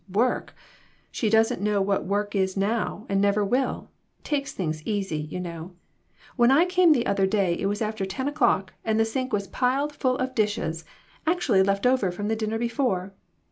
"Work! She doesn't know what work is now, and never will ; takes things easy, you know. When I came the other day it was after ten o'clock, and the sink was piled full of dishes ; act ually left over from the dinner before